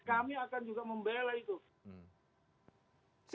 kami akan juga membela itu